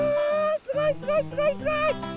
すごいすごいすごいすごい！